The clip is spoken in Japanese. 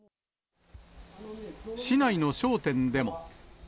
市内の商店でも。